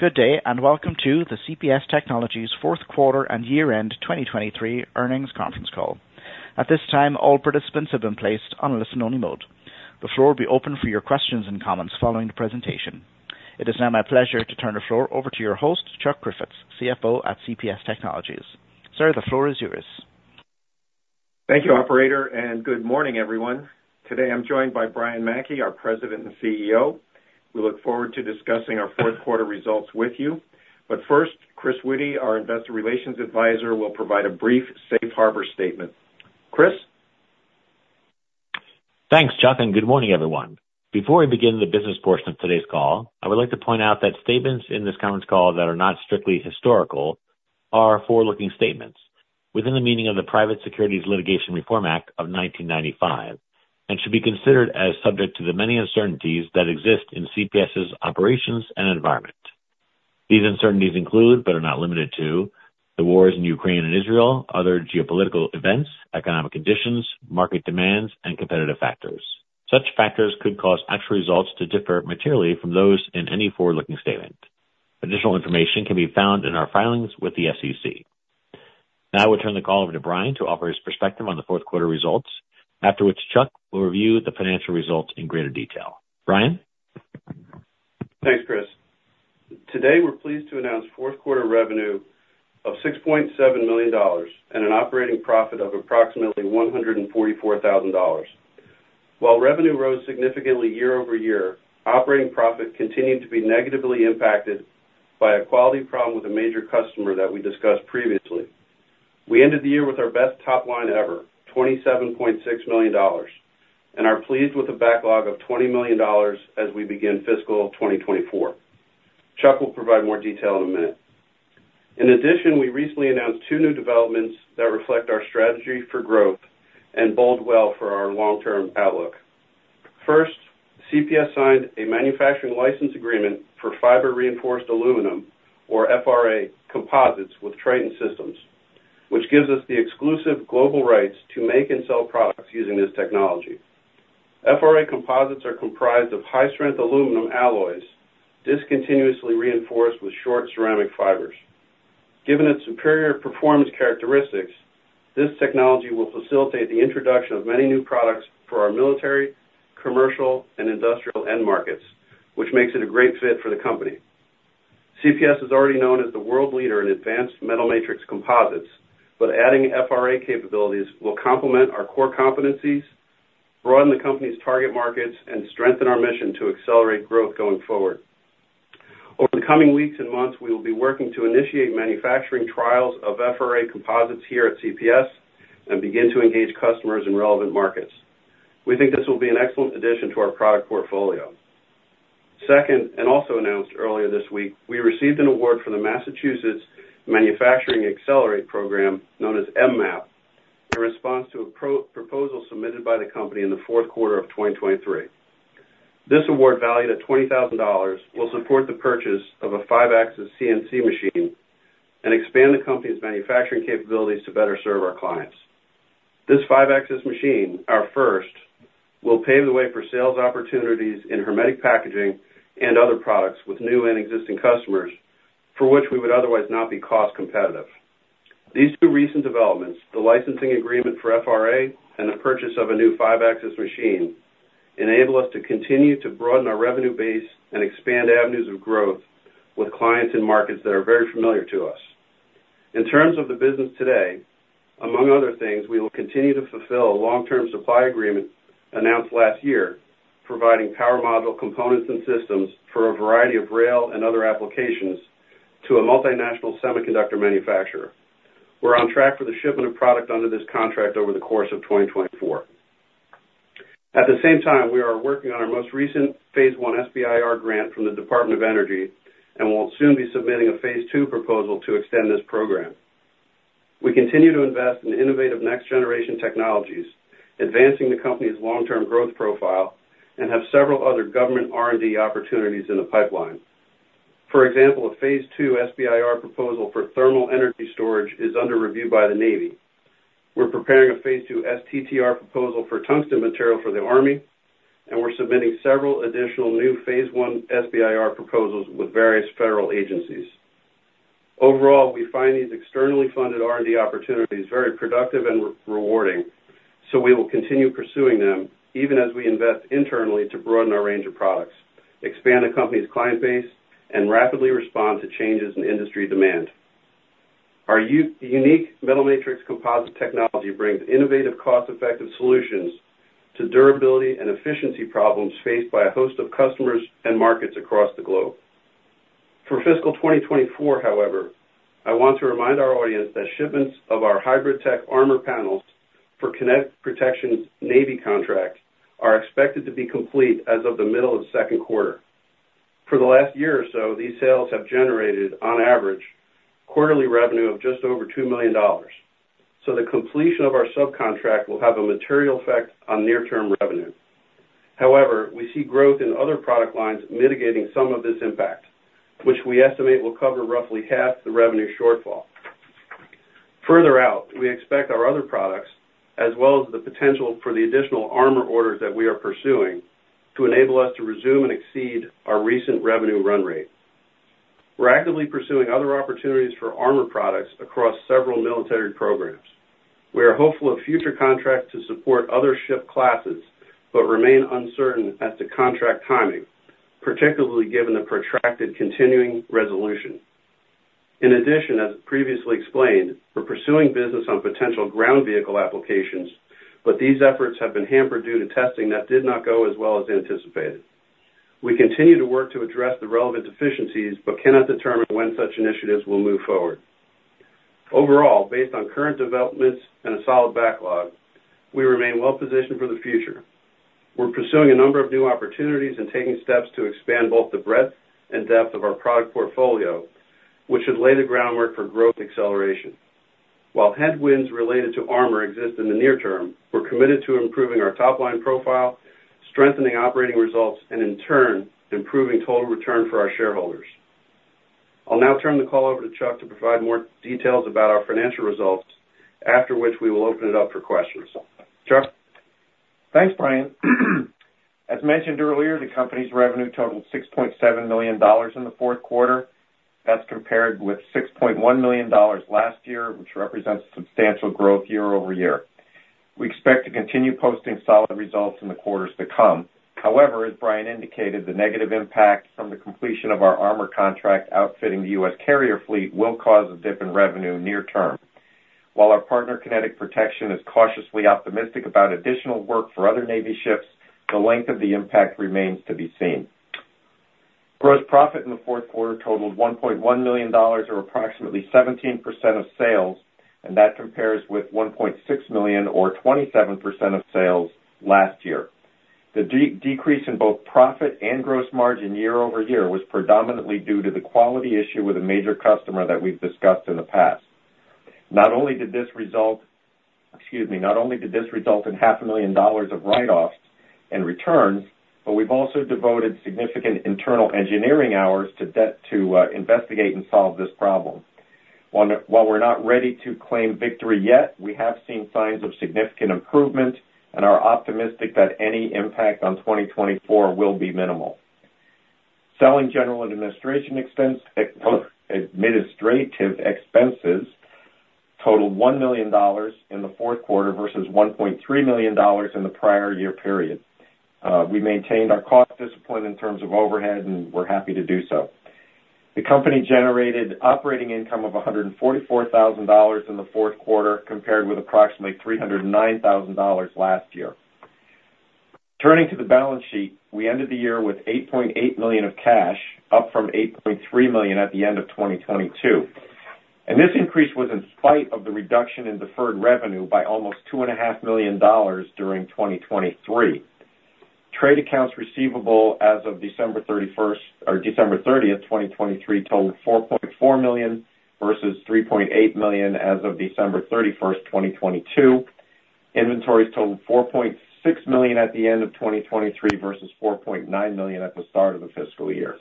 Good day and welcome to the CPS Technologies fourth quarter and year-end 2023 earnings conference call. At this time, all participants have been placed on a listen-only mode. The floor will be open for your questions and comments following the presentation. It is now my pleasure to turn the floor over to your host, Chuck Griffiths, CFO at CPS Technologies. Sir, the floor is yours. Thank you, operator, and good morning, everyone. Today I'm joined by Brian Mackey, our president and CEO. We look forward to discussing our fourth quarter results with you. But first, Chris Witty, our investor relations advisor, will provide a brief Safe Harbor statement. Chris? Thanks, Chuck, and good morning, everyone. Before we begin the business portion of today's call, I would like to point out that statements in this conference call that are not strictly historical are forward-looking statements within the meaning of the Private Securities Litigation Reform Act of 1995 and should be considered as subject to the many uncertainties that exist in CPS's operations and environment. These uncertainties include but are not limited to the wars in Ukraine and Israel, other geopolitical events, economic conditions, market demands, and competitive factors. Such factors could cause actual results to differ materially from those in any forward-looking statement. Additional information can be found in our filings with the SEC. Now I will turn the call over to Brian to offer his perspective on the fourth quarter results, after which Chuck will review the financial results in greater detail. Brian? Thanks, Chris. Today we're pleased to announce fourth quarter revenue of $6.7 million and an operating profit of approximately $144,000. While revenue rose significantly year-over-year, operating profit continued to be negatively impacted by a quality problem with a major customer that we discussed previously. We ended the year with our best top line ever, $27.6 million, and are pleased with a backlog of $20 million as we begin fiscal 2024. Chuck will provide more detail in a minute. In addition, we recently announced two new developments that reflect our strategy for growth and bode well for our long-term outlook. First, CPS signed a manufacturing license agreement for Fiber-Reinforced Aluminum, or FRA, composites with Triton Systems, which gives us the exclusive global rights to make and sell products using this technology. FRA composites are comprised of high-strength aluminum alloys discontinuously reinforced with short ceramic fibers. Given its superior performance characteristics, this technology will facilitate the introduction of many new products for our military, commercial, and industrial end markets, which makes it a great fit for the company. CPS is already known as the world leader in advanced metal matrix composites, but adding FRA capabilities will complement our core competencies, broaden the company's target markets, and strengthen our mission to accelerate growth going forward. Over the coming weeks and months, we will be working to initiate manufacturing trials of FRA composites here at CPS and begin to engage customers in relevant markets. We think this will be an excellent addition to our product portfolio. Second, and also announced earlier this week, we received an award for the Massachusetts Manufacturing Accelerate Program known as MMAP in response to a proposal submitted by the company in the fourth quarter of 2023. This award, valued at $20,000, will support the purchase of a Five-axis CNC machine and expand the company's manufacturing capabilities to better serve our clients. This five-axis machine, our first, will pave the way for sales opportunities in hermetic packaging and other products with new and existing customers for which we would otherwise not be cost-competitive. These two recent developments, the licensing agreement for FRA and the purchase of a new five-axis machine, enable us to continue to broaden our revenue base and expand avenues of growth with clients in markets that are very familiar to us. In terms of the business today, among other things, we will continue to fulfill a long-term supply agreement announced last year providing power module components and systems for a variety of rail and other applications to a multinational semiconductor manufacturer. We're on track for the shipment of product under this contract over the course of 2024. At the same time, we are working on our most recent Phase I SBIR grant from the Department of Energy and will soon be submitting a Phase II proposal to extend this program. We continue to invest in innovative next-generation technologies, advancing the company's long-term growth profile, and have several other government R&D opportunities in the pipeline. For example, a Phase II SBIR proposal for thermal energy storage is under review by the Navy. We're preparing a Phase II STTR proposal for tungsten material for the Army, and we're submitting several additional new Phase I SBIR proposals with various federal agencies. Overall, we find these externally funded R&D opportunities very productive and rewarding, so we will continue pursuing them even as we invest internally to broaden our range of products, expand the company's client base, and rapidly respond to changes in industry demand. Our unique metal matrix composite technology brings innovative, cost-effective solutions to durability and efficiency problems faced by a host of customers and markets across the globe. For fiscal 2024, however, I want to remind our audience that shipments of our HybridTech Armor panels for Kinetic Protection's Navy contract are expected to be complete as of the middle of second quarter. For the last year or so, these sales have generated, on average, quarterly revenue of just over $2 million, so the completion of our subcontract will have a material effect on near-term revenue. However, we see growth in other product lines mitigating some of this impact, which we estimate will cover roughly half the revenue shortfall. Further out, we expect our other products, as well as the potential for the additional armor orders that we are pursuing, to enable us to resume and exceed our recent revenue run rate. We're actively pursuing other opportunities for armor products across several military programs. We are hopeful of future contracts to support other ship classes but remain uncertain as to contract timing, particularly given the protracted Continuing Resolution. In addition, as previously explained, we're pursuing business on potential ground vehicle applications, but these efforts have been hampered due to testing that did not go as well as anticipated. We continue to work to address the relevant deficiencies but cannot determine when such initiatives will move forward. Overall, based on current developments and a solid backlog, we remain well-positioned for the future. We're pursuing a number of new opportunities and taking steps to expand both the breadth and depth of our product portfolio, which should lay the groundwork for growth acceleration. While headwinds related to armor exist in the near term, we're committed to improving our top line profile, strengthening operating results, and in turn, improving total return for our shareholders. I'll now turn the call over to Chuck to provide more details about our financial results, after which we will open it up for questions. Chuck? Thanks, Brian. As mentioned earlier, the company's revenue totaled $6.7 million in the fourth quarter. That's compared with $6.1 million last year, which represents substantial growth year-over-year. We expect to continue posting solid results in the quarters to come. However, as Brian indicated, the negative impact from the completion of our armor contract outfitting the U.S. carrier fleet will cause a dip in revenue near term. While our partner Kinetic Protection is cautiously optimistic about additional work for other Navy ships, the length of the impact remains to be seen. Gross profit in the fourth quarter totaled $1.1 million, or approximately 17% of sales, and that compares with $1.6 million, or 27% of sales, last year. The decrease in both profit and gross margin year-over-year was predominantly due to the quality issue with a major customer that we've discussed in the past. Not only did this result in $0.5 million of write-offs and returns, but we've also devoted significant internal engineering hours to investigate and solve this problem. While we're not ready to claim victory yet, we have seen signs of significant improvement and are optimistic that any impact on 2024 will be minimal. Selling general administration expenses totaled $1 million in the fourth quarter versus $1.3 million in the prior year period. We maintained our cost discipline in terms of overhead, and we're happy to do so. The company generated operating income of $144,000 in the fourth quarter compared with approximately $309,000 last year. Turning to the balance sheet, we ended the year with $8.8 million of cash, up from $8.3 million at the end of 2022. And this increase was in spite of the reduction in deferred revenue by almost $2.5 million during 2023. Trade accounts receivable as of December 30, 2023, totaled $4.4 million versus $3.8 million as of December 31, 2022. Inventories totaled $4.6 million at the end of 2023 versus $4.9 million at the start of the fiscal year.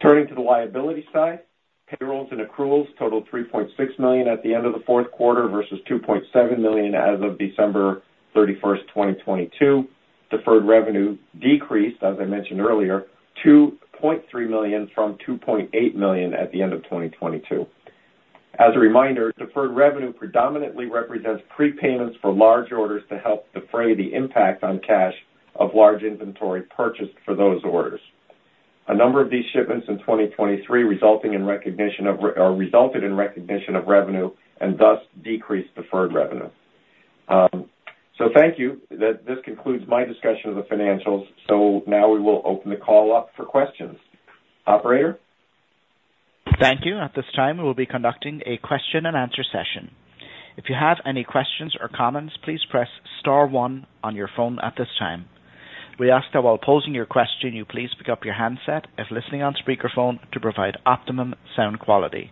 Turning to the liability side, payrolls and accruals totaled $3.6 million at the end of the fourth quarter versus $2.7 million as of December 31, 2022. Deferred revenue decreased, as I mentioned earlier, $2.3 million from $2.8 million at the end of 2022. As a reminder, deferred revenue predominantly represents prepayments for large orders to help defray the impact on cash of large inventory purchased for those orders. A number of these shipments in 2023 resulted in recognition of revenue and thus decreased deferred revenue. So thank you. This concludes my discussion of the financials. So now we will open the call up for questions. Operator? Thank you. At this time, we will be conducting a question-and-answer session. If you have any questions or comments, please press star one on your phone at this time. We ask that while posing your question, you please pick up your handset if listening on speakerphone to provide optimum sound quality.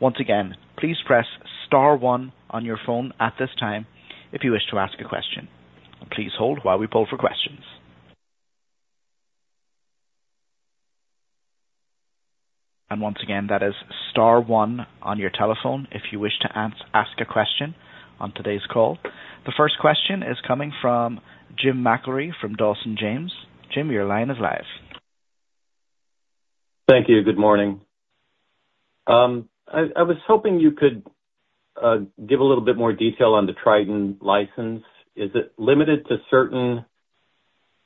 Once again, please press star one on your phone at this time if you wish to ask a question. Please hold while we pull for questions. Once again, that is star one on your telephone if you wish to ask a question on today's call. The first question is coming from James McIlree from Dawson James. James, your line is live. Thank you. Good morning. I was hoping you could give a little bit more detail on the Triton license. Is it limited to certain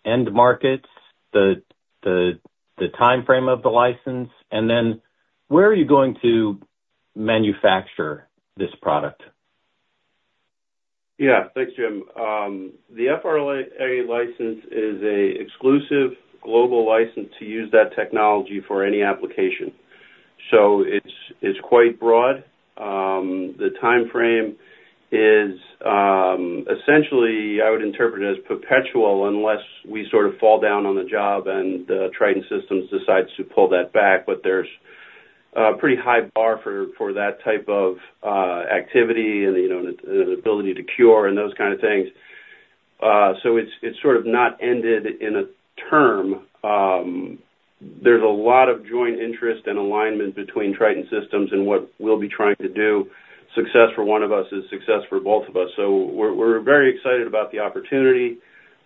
end markets, the time frame of the license? And then where are you going to manufacture this product? Yeah. Thanks, Jim. The FRA license is an exclusive global license to use that technology for any application. So it's quite broad. The time frame is essentially, I would interpret it as perpetual unless we sort of fall down on the job and Triton Systems decides to pull that back. But there's a pretty high bar for that type of activity and an ability to cure and those kind of things. So it's sort of not ended in a term. There's a lot of joint interest and alignment between Triton Systems and what we'll be trying to do. Success for one of us is success for both of us. So we're very excited about the opportunity.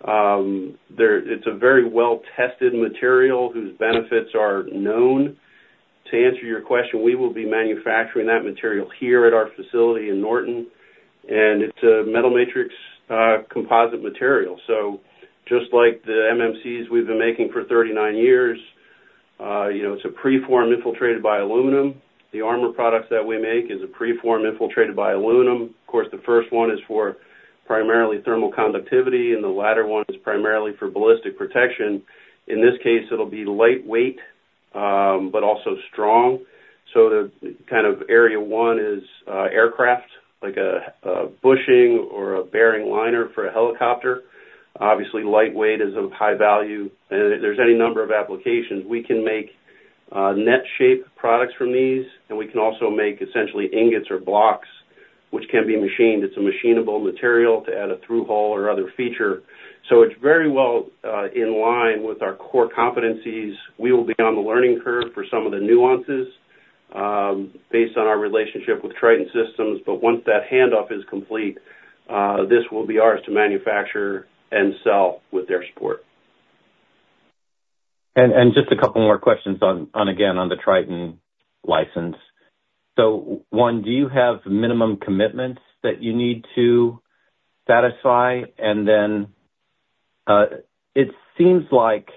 It's a very well-tested material whose benefits are known. To answer your question, we will be manufacturing that material here at our facility in Norton. And it's a metal matrix composite material. So just like the MMCs we've been making for 39 years, it's a preform infiltrated by aluminum. The armor products that we make is a preform infiltrated by aluminum. Of course, the first one is for primarily thermal conductivity, and the latter one is primarily for ballistic protection. In this case, it'll be lightweight but also strong. So the kind of area one is aircraft, like a bushing or a bearing liner for a helicopter. Obviously, lightweight is of high value. And there's any number of applications. We can make net-shaped products from these, and we can also make essentially ingots or blocks, which can be machined. It's a machinable material to add a through-hole or other feature. So it's very well in line with our core competencies. We will be on the learning curve for some of the nuances based on our relationship with Triton Systems. But once that handoff is complete, this will be ours to manufacture and sell with their support. Just a couple more questions, again, on the Triton license. So one, do you have minimum commitments that you need to satisfy? And then it seems like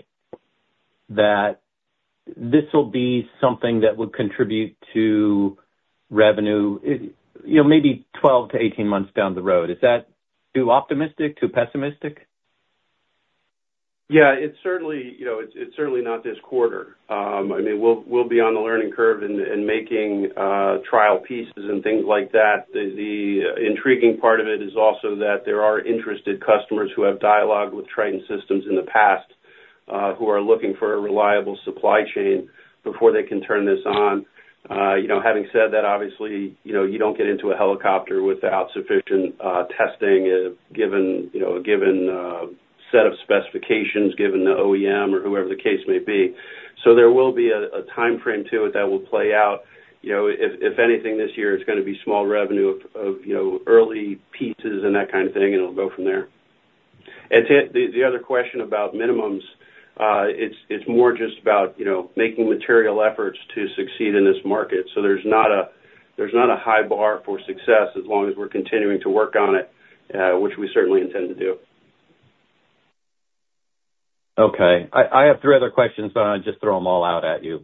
that this will be something that would contribute to revenue maybe 12-18 months down the road. Is that too optimistic, too pessimistic? Yeah. It's certainly not this quarter. I mean, we'll be on the learning curve in making trial pieces and things like that. The intriguing part of it is also that there are interested customers who have dialogue with Triton Systems in the past who are looking for a reliable supply chain before they can turn this on. Having said that, obviously, you don't get into a helicopter without sufficient testing, a given set of specifications, given the OEM or whoever the case may be. So there will be a time frame to it that will play out. If anything, this year, it's going to be small revenue of early pieces and that kind of thing, and it'll go from there. The other question about minimums, it's more just about making material efforts to succeed in this market. So there's not a high bar for success as long as we're continuing to work on it, which we certainly intend to do. Okay. I have three other questions, but I'll just throw them all out at you.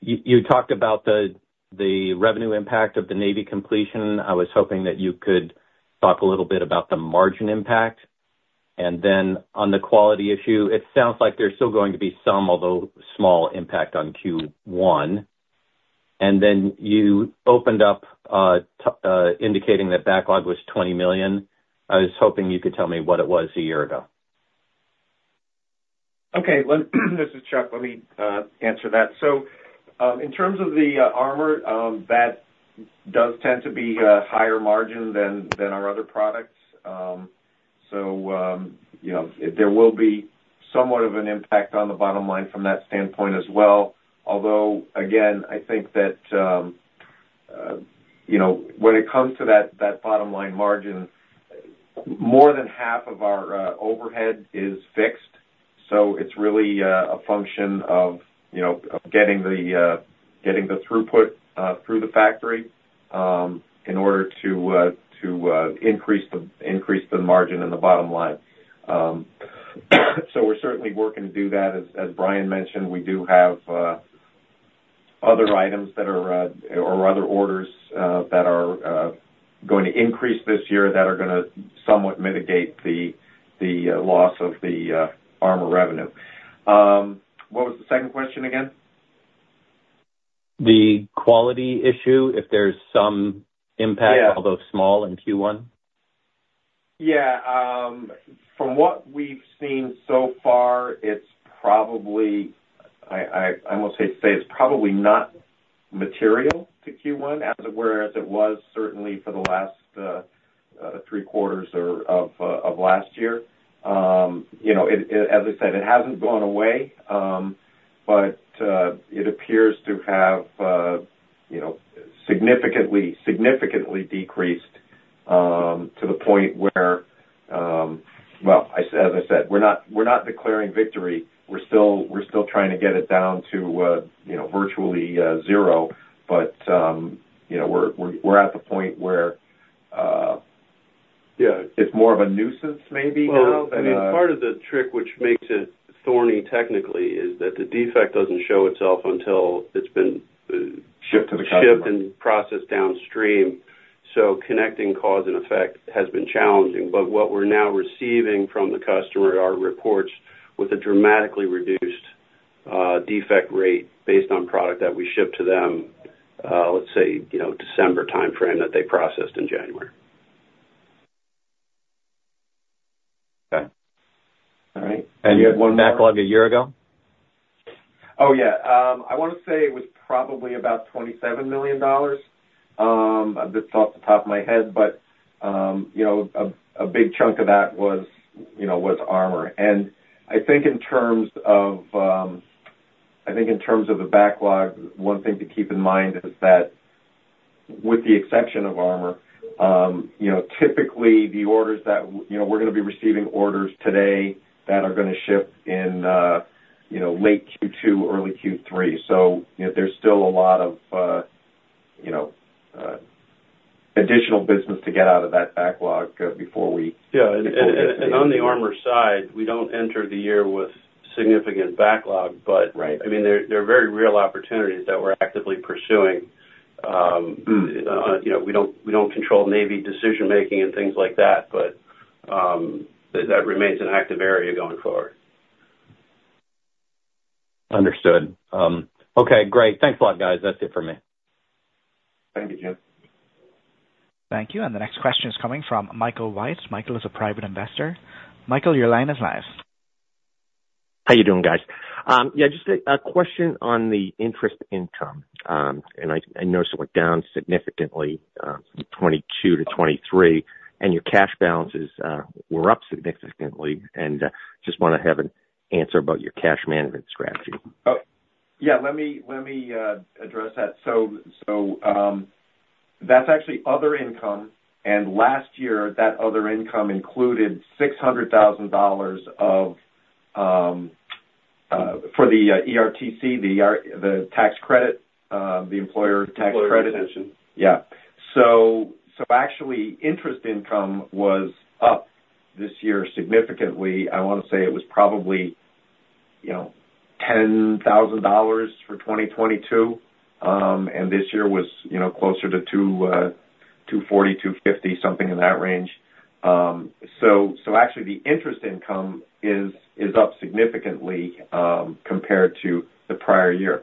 You talked about the revenue impact of the Navy completion. I was hoping that you could talk a little bit about the margin impact. And then on the quality issue, it sounds like there's still going to be some, although small, impact on Q1. And then you opened up indicating that backlog was $20 million. I was hoping you could tell me what it was a year ago. Okay. This is Chuck. Let me answer that. So in terms of the armor, that does tend to be a higher margin than our other products. So there will be somewhat of an impact on the bottom line from that standpoint as well. Although, again, I think that when it comes to that bottom line margin, more than half of our overhead is fixed. So it's really a function of getting the throughput through the factory in order to increase the margin in the bottom line. So we're certainly working to do that. As Brian mentioned, we do have other items that are or other orders that are going to increase this year that are going to somewhat mitigate the loss of the armor revenue. What was the second question again? The quality issue, if there's some impact, although small, in Q1? Yeah. From what we've seen so far, it's probably—I almost hate to say—it's probably not material to Q1, whereas it was certainly for the last three quarters of last year. As I said, it hasn't gone away, but it appears to have significantly decreased to the point where—well, as I said, we're not declaring victory. We're still trying to get it down to virtually zero, but we're at the point where it's more of a nuisance maybe now than a- Well, I mean, part of the trick which makes it thorny technically is that the defect doesn't show itself until it's been. Shipped to the customer. Shipped and processed downstream. So connecting cause and effect has been challenging. But what we're now receiving from the customer are reports with a dramatically reduced defect rate based on product that we shipped to them, let's say, December time frame that they processed in January. Okay. All right. And you had one backlog a year ago? Oh, yeah. I want to say it was probably about $27 million. I've just thought off the top of my head, but a big chunk of that was armor. And I think in terms of the backlog, one thing to keep in mind is that with the exception of armor, typically, the orders that we're going to be receiving orders today that are going to ship in late Q2, early Q3. So there's still a lot of additional business to get out of that backlog before we deploy this. Yeah. On the armor side, we don't enter the year with significant backlog. But I mean, there are very real opportunities that we're actively pursuing. We don't control Navy decision-making and things like that, but that remains an active area going forward. Understood. Okay. Great. Thanks a lot, guys. That's it for me. Thank you, Jim. Thank you. The next question is coming from Michael Weiss. Michael is a private investor. Michael, your line is live. How you doing, guys? Yeah. Just a question on the interest income. I noticed it went down significantly from 2022 to 2023, and your cash balances were up significantly. Just want to have an answer about your cash management strategy. Yeah. Let me address that. So that's actually other income. Last year, that other income included $0.6 million for the ERTC, the tax credit, the employer tax credit. Employee Retention. Yeah. So actually, interest income was up this year significantly. I want to say it was probably $10,000 for 2022, and this year was closer to $240,000-$250,000, something in that range. So actually, the interest income is up significantly compared to the prior year.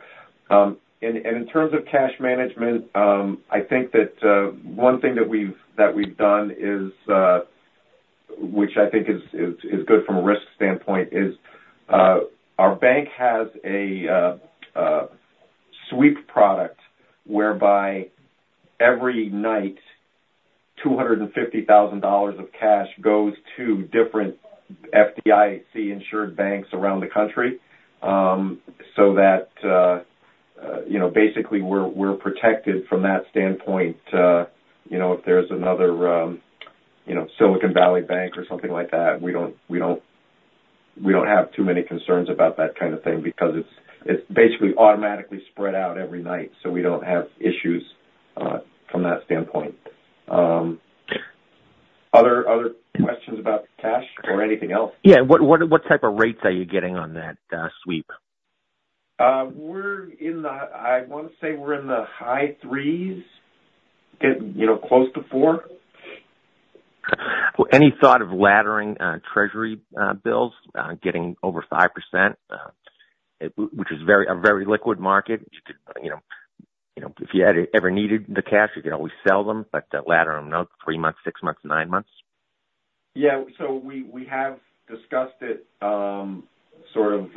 And in terms of cash management, I think that one thing that we've done is which I think is good from a risk standpoint is our bank has a sweep product whereby every night, $250,000 of cash goes to different FDIC-insured banks around the country so that basically, we're protected from that standpoint. If there's another Silicon Valley Bank or something like that, we don't have too many concerns about that kind of thing because it's basically automatically spread out every night. So we don't have issues from that standpoint. Other questions about cash or anything else? Yeah. What type of rates are you getting on that sweep? I want to say we're in the high 3s, close to 4. Any thought of laddering Treasury bills, getting over 5%, which is a very liquid market? If you ever needed the cash, you could always sell them, but ladder them up 3 months, 6 months, 9 months? Yeah. So we have discussed it sort of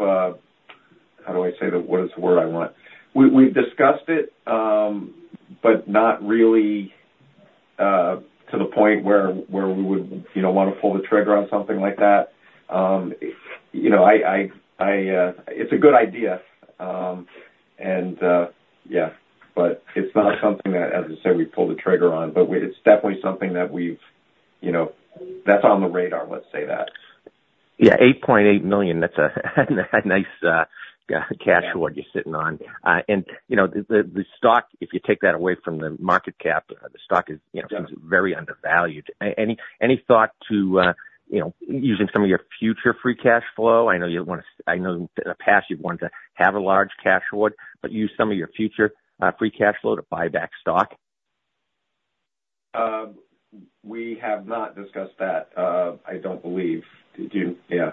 how do I say that? What is the word I want? We've discussed it, but not really to the point where we would want to pull the trigger on something like that. It's a good idea. And yeah. But it's not something that, as I said, we pull the trigger on. But it's definitely something that we've that's on the radar, let's say that. Yeah. $8.8 million, that's a nice cash award you're sitting on. The stock, if you take that away from the market cap, the stock seems very undervalued. Any thought to using some of your future free cash flow? I know you want to. I know in the past, you've wanted to have a large cash award, but use some of your future free cash flow to buy back stock. We have not discussed that, I don't believe. Yeah.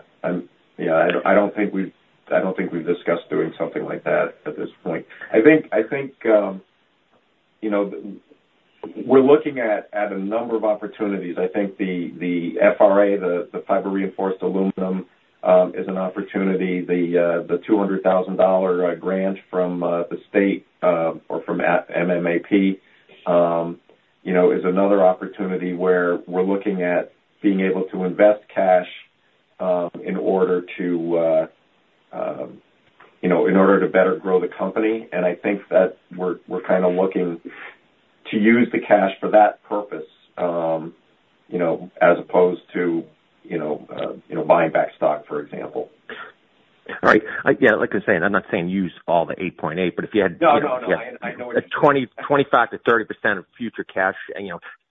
Yeah. I don't think we've I don't think we've discussed doing something like that at this point. I think we're looking at a number of opportunities. I think the FRA, the fiber-reinforced aluminum, is an opportunity. The $0.2 million grant from the state or from MMAP is another opportunity where we're looking at being able to invest cash in order to in order to better grow the company. And I think that we're kind of looking to use the cash for that purpose as opposed to buying back stock, for example. All right. Yeah. Like I was saying, I'm not saying use all the $8.8 million, but if you had. No, no, no. I know what you mean. 25%-30% of future cash,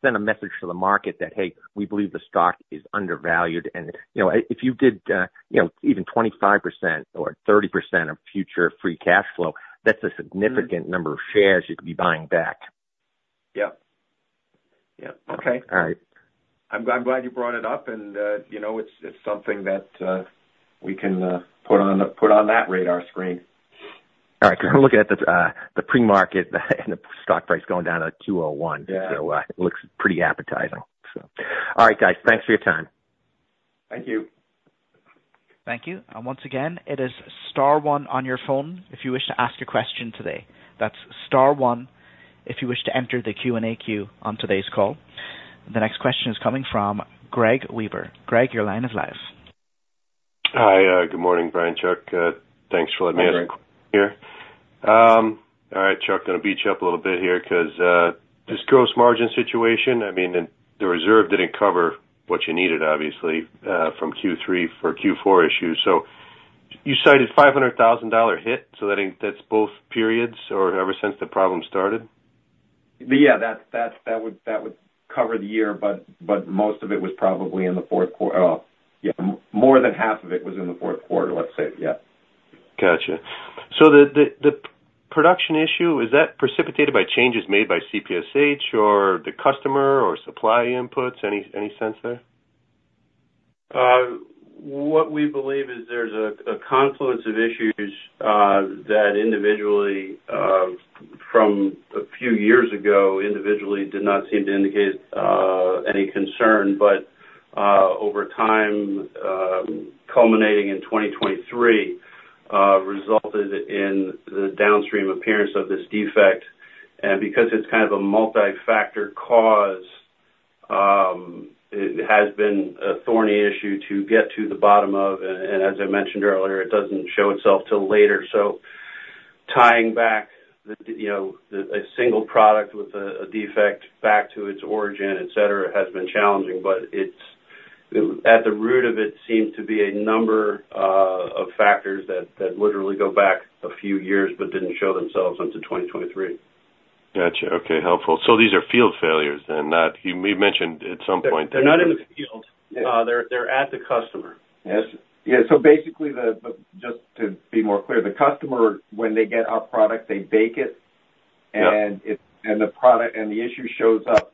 send a message to the market that, "Hey, we believe the stock is undervalued." And if you did even 25% or 30% of future free cash flow, that's a significant number of shares you could be buying back. Yep. Yep. Okay. All right. I'm glad you brought it up, and it's something that we can put on that radar screen. All right. Because I'm looking at the pre-market and the stock price going down to 201, so it looks pretty appetizing, so. All right, guys. Thanks for your time. Thank you. Thank you. Once again, it is star one on your phone if you wish to ask a question today. That's star one if you wish to enter the Q&A queue on today's call. The next question is coming from Greg Weaver. Greg, your line is live. Hi. Good morning, Brian, Chuck. Thanks for letting me ask a question here. All right, Chuck. Going to beat you up a little bit here because this gross margin situation, I mean, the reserve didn't cover what you needed, obviously, from Q3 for Q4 issues. So you cited a $0.5 million hit. So that's both periods or ever since the problem started? Yeah. That would cover the year, but most of it was probably in the fourth quarter. Yeah. More than half of it was in the fourth quarter, let's say. Yeah. Gotcha. So the production issue, is that precipitated by changes made by CPSH or the customer or supply inputs? Any sense there? What we believe is there's a confluence of issues that individually, from a few years ago, individually did not seem to indicate any concern. But over time, culminating in 2023, resulted in the downstream appearance of this defect. And because it's kind of a multifactor cause, it has been a thorny issue to get to the bottom of. And as I mentioned earlier, it doesn't show itself till later. So tying back a single product with a defect back to its origin, etc., has been challenging. But at the root of it seems to be a number of factors that literally go back a few years but didn't show themselves until 2023. Gotcha. Okay. Helpful. So these are field failures then? You mentioned at some point that. They're not in the field. They're at the customer. Yeah. So basically, just to be more clear, the customer, when they get our product, they bake it, and the issue shows up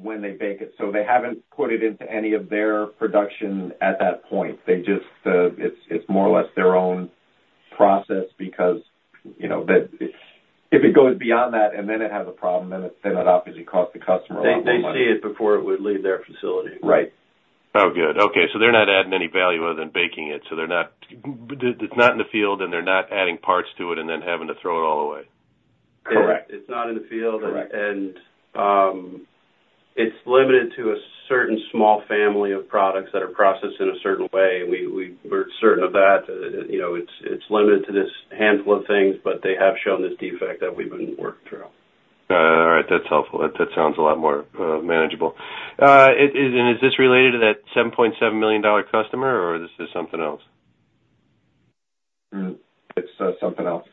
when they bake it. So they haven't put it into any of their production at that point. It's more or less their own process because if it goes beyond that and then it has a problem, then it obviously costs the customer a lot more money. They see it before it would leave their facility. Right. Oh, good. Okay. So they're not adding any value other than baking it. So it's not in the field, and they're not adding parts to it and then having to throw it all away. Correct. It's not in the field, and it's limited to a certain small family of products that are processed in a certain way. And we're certain of that. It's limited to this handful of things, but they have shown this defect that we've been working through. All right. That's helpful. That sounds a lot more manageable. And is this related to that $7.7 million customer, or this is something else? It's something else.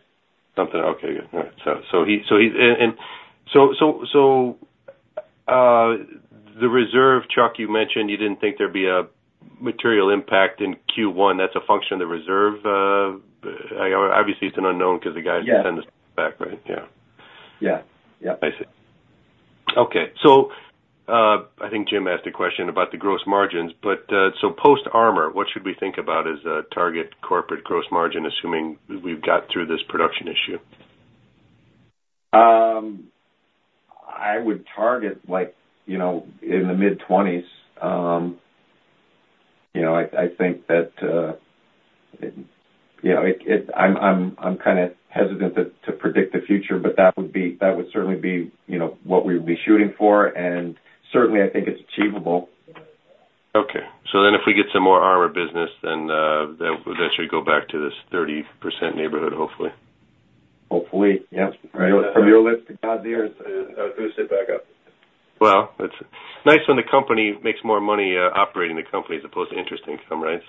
Something else. Okay. Good. All right. So he and so the reserve, Chuck, you mentioned you didn't think there'd be a material impact in Q1. That's a function of the reserve? Obviously, it's an unknown because the guys didn't send the stuff back, right? Yeah. Yeah. Yep. I see. Okay. So I think Jim asked a question about the gross margins. So post-armor, what should we think about as a target corporate gross margin, assuming we've got through this production issue? I would target in the mid-20s. I think that I'm kind of hesitant to predict the future, but that would certainly be what we would be shooting for. Certainly, I think it's achievable. Okay. So then if we get some more armor business, then that should go back to this 30% neighborhood, hopefully. Hopefully. Yep. From your lips to God's ears. I was going to say back up. Well, it's nice when the company makes more money operating the company as opposed to interest income, right?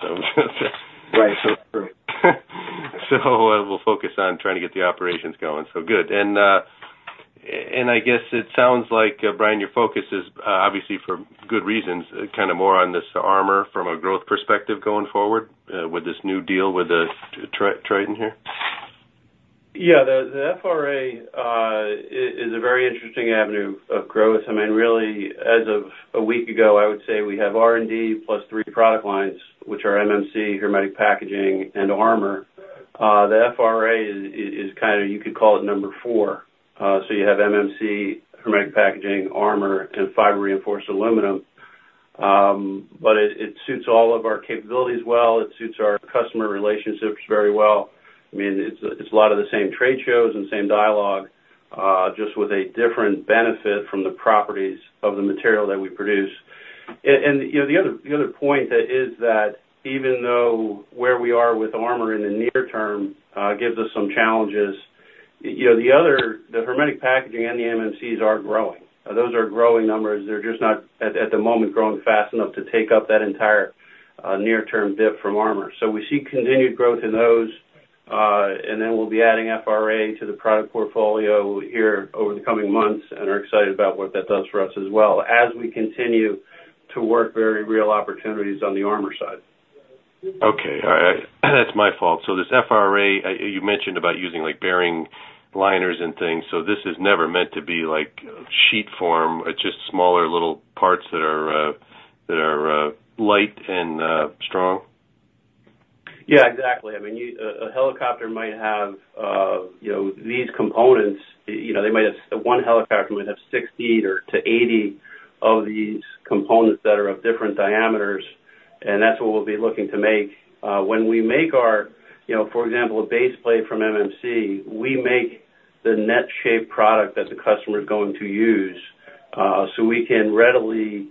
Right. That's true. We'll focus on trying to get the operations going. Good. I guess it sounds like, Brian, your focus is, obviously, for good reasons, kind of more on this armor from a growth perspective going forward with this new deal with Triton here? Yeah. The FRA is a very interesting avenue of growth. I mean, really, as of a week ago, I would say we have R&D plus three product lines, which are MMC, hermetic packaging, and armor. The FRA is kind of you could call it number four. So you have MMC, hermetic packaging, armor, and fiber-reinforced aluminum. But it suits all of our capabilities well. It suits our customer relationships very well. I mean, it's a lot of the same trade shows and same dialogue, just with a different benefit from the properties of the material that we produce. And the other point is that even though where we are with armor in the near term gives us some challenges, the hermetic packaging and the MMCs are growing. Those are growing numbers. They're just not, at the moment, growing fast enough to take up that entire near-term dip from armor. So we see continued growth in those. And then we'll be adding FRA to the product portfolio here over the coming months and are excited about what that does for us as well as we continue to work very real opportunities on the armor side. Okay. That's my fault. So this FRA, you mentioned about using bearing liners and things. So this is never meant to be sheet form. It's just smaller little parts that are light and strong? Yeah. Exactly. I mean, a helicopter might have these components. One helicopter might have 60-80 of these components that are of different diameters. And that's what we'll be looking to make. When we make our for example, a base plate from MMC, we make the net-shaped product that the customer is going to use. So we can readily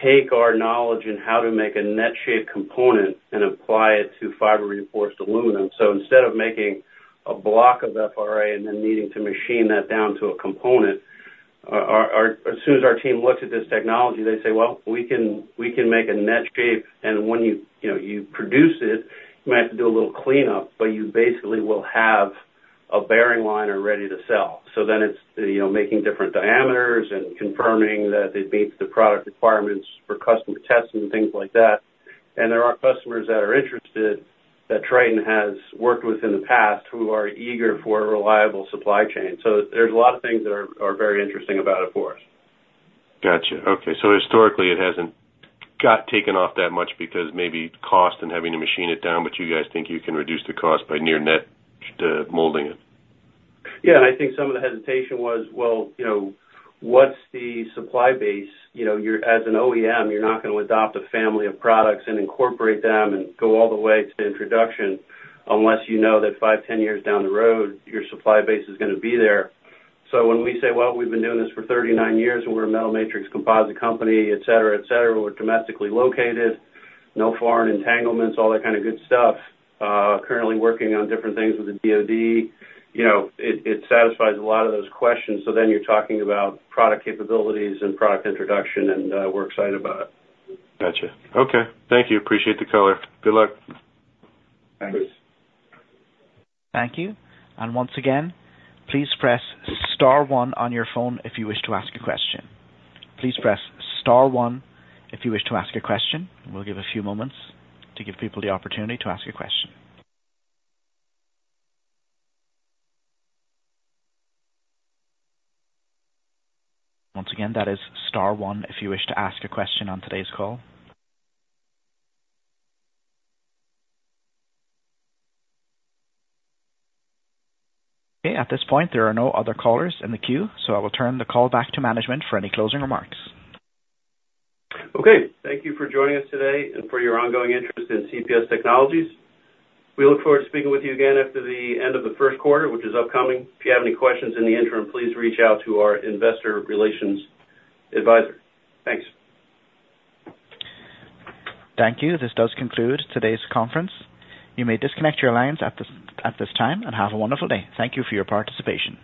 take our knowledge in how to make a net-shaped component and apply it to fiber-reinforced aluminum. So instead of making a block of FRA and then needing to machine that down to a component, as soon as our team looks at this technology, they say, "Well, we can make a net shape. “And when you produce it, you might have to do a little cleanup, but you basically will have a bearing liner ready to sell.” So then it's making different diameters and confirming that it meets the product requirements for customer testing and things like that. And there are customers that are interested that Triton has worked with in the past who are eager for a reliable supply chain. So there's a lot of things that are very interesting about it for us. Gotcha. Okay. So historically, it hasn't got taken off that much because maybe cost and having to machine it down, but you guys think you can reduce the cost by near-net molding it? Yeah. And I think some of the hesitation was, "Well, what's the supply base?" As an OEM, you're not going to adopt a family of products and incorporate them and go all the way to introduction unless you know that 5 years, 10 years down the road, your supply base is going to be there. So when we say, "Well, we've been doing this for 39 years, and we're a metal matrix composite company, etc., etc. We're domestically located, no foreign entanglements, all that kind of good stuff, currently working on different things with the DoD," it satisfies a lot of those questions. So then you're talking about product capabilities and product introduction, and we're excited about it. Gotcha. Okay. Thank you. Appreciate the color. Good luck. Thanks. Thank you. Once again, please press star one on your phone if you wish to ask a question. Please press star one if you wish to ask a question. We'll give a few moments to give people the opportunity to ask a question. Once again, that is star one if you wish to ask a question on today's call. Okay. At this point, there are no other callers in the queue, so I will turn the call back to management for any closing remarks. Okay. Thank you for joining us today and for your ongoing interest in CPS Technologies. We look forward to speaking with you again after the end of the first quarter, which is upcoming. If you have any questions in the interim, please reach out to our investor relations advisor. Thanks. Thank you. This does conclude today's conference. You may disconnect your lines at this time and have a wonderful day. Thank you for your participation.